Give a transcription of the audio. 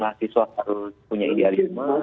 mahasiswa harus punya idealisme